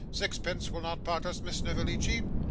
Sixpence will not part us, Miss Snevellicci?